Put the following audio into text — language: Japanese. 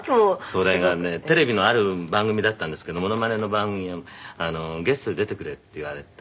それがねテレビのある番組だったんですけどモノマネの番組にゲストで出てくれって言われて。